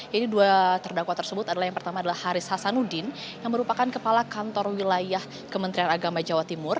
jadi dua terdakwa tersebut adalah yang pertama adalah haris hasanuddin yang merupakan kepala kantor wilayah kementerian agama jawa timur